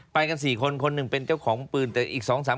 ไปกัน๔คนคนหนึ่งเป็นเจ้าผม